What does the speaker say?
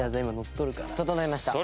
整いました。